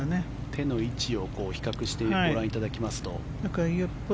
手の位置を比較してご覧いただきますと。